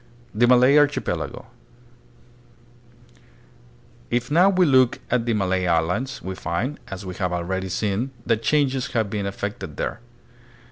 The Malay Archipelego . If now we look at the Ma lay Islands, we find, as we have already seen, that changes had been effected there.